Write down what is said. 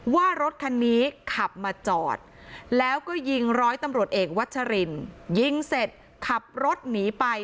ว่ารถคันนี้ขับมาจอดแล้วก็ยิงร้อยตำรวจเอกวัชรินยิงเสร็จขับรถหนีไป